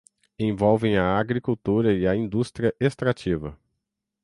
envolvem a agricultura e a indústria extrativa